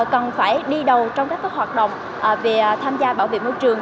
cần phải đi đầu trong các hoạt động về tham gia bảo vệ môi trường